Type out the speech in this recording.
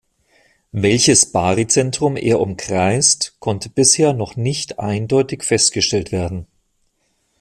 Welches Baryzentrum er umkreist, konnte bisher noch nicht eindeutig festgestellt werden.